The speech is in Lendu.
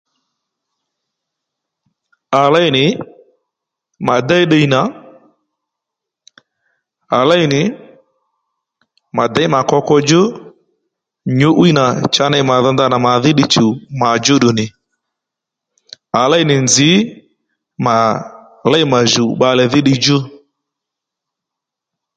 À léy nì mà déy ddiy nà à léy nì mà děy mà koko djú nyǔ'wiy nà cha ney mà dho ndanà màdhí ddiy chùw mà djúddù nì à lěy nì nzǐ mà léy mà jùw bbalè dhí ddiy djú